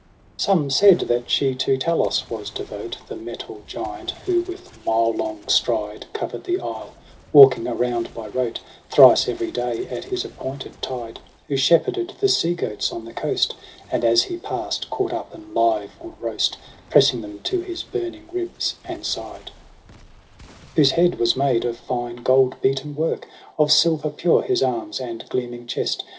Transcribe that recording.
I? Some said that she to Talos was devote. The metal giant, who with mile long stride Cover'd the isle, walking around by rote Thrice every day at his appointed tide ■ Who shepherded the sea goats on the coast, And, as he past, caught up and live would roast, Pressing them to his burning ribs and side : 14 Whose head was made of fine gold beaten work, Of silver pure his arms and gleaming chest.